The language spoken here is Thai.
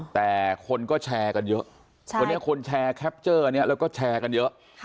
แต่คนก็แชร์กันเยอะวันนี้คนแชร์แคปเจอร์นี้แล้วก็แชร์กันเยอะ